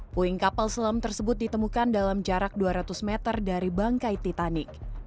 puing kapal selam tersebut ditemukan dalam jarak dua ratus meter dari bangkai titanic